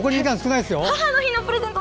母の日のプレゼント